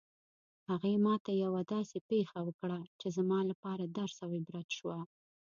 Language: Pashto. هغې ما ته یوه داسې پېښه وکړه چې زما لپاره درس او عبرت شوه